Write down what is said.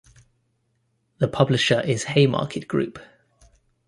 The publisher is Haymarket Group.